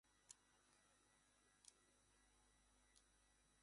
আমি তোমার জন্য খুবই খুশি।